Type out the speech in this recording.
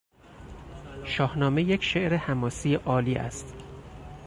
شاهنامه یک شعر حماسی عالی است.